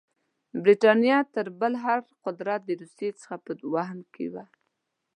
برټانیه تر بل هر قدرت د روسیې څخه په وهم کې وه.